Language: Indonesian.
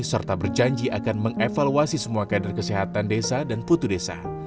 serta berjanji akan mengevaluasi semua kader kesehatan desa dan putu desa